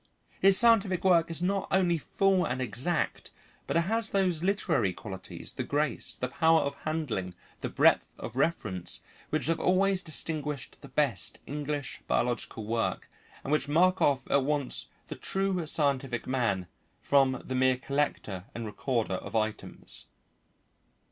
His scientific work is not only full and exact but it has those literary qualities, the grace, the power of handling, the breadth of reference, which have always distinguished the best English biological work, and which mark off at once the true scientific man from the mere collector and recorder of items.